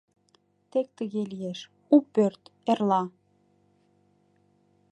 Тек тыге лиеш: у пӧрт — эрла».